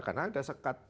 karena ada sekat